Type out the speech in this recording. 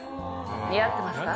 似合ってますか？